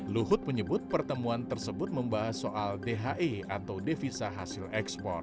luhut menyebut pertemuan tersebut membahas soal dhe atau devisa hasil ekspor